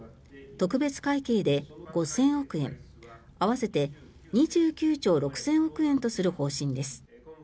特別会計で５０００億円合わせて２９兆６０００億円とする方針です。